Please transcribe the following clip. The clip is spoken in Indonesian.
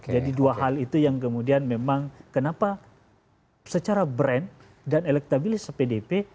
jadi dua hal itu yang kemudian memang kenapa secara brand dan elektabilitas pdip